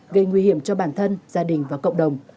gây nguy hiểm cho bản thân gia đình và cộng đồng